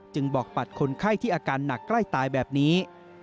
บอกบัตรคนไข้ที่อาการหนักใกล้ตายแบบนี้